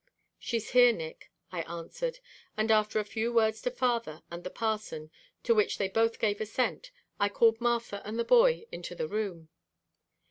"She's here, Nick," I answered, and after a few words to father and the parson, to which they both gave assent, I called Martha and the boy into the room.